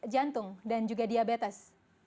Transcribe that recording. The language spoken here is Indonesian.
jantung dan juga diabetes